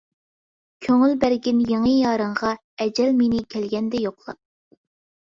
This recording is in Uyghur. كۆڭۈل بەرگىن يېڭى يارىڭغا، ئەجەل مېنى كەلگەندە يوقلاپ.